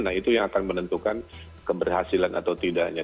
nah itu yang akan menentukan keberhasilan atau tidaknya